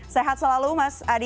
sehat selalu mas adi